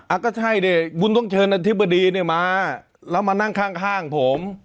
อ่ะก็ใช่ดิบุญต้องเชิญอธิบดีเนี่ยมาแล้วมานั่งข้างข้างผม